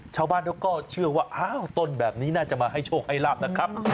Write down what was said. ชาวบ้านเขาก็เชื่อว่าอ้าวต้นแบบนี้น่าจะมาให้โชคให้ลาบนะครับ